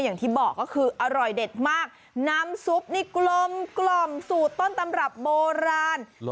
อย่างที่บอกก็คืออร่อยเด็ดมากน้ำซุปนี่กลมกล่อมสูตรต้นตำรับโบราณ